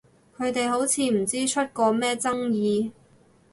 佢哋好似唔知出過咩爭議？